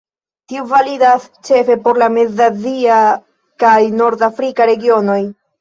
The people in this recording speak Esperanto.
Tio validas ĉefe por la mez-azia kaj nord-afrika regionoj.